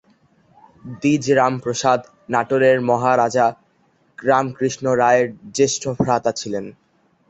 দ্বিজ রামপ্রসাদ নাটোরের মহারাজা রামকৃষ্ণ রায়ের জ্যেষ্ঠ ভ্রাতা ছিলেন।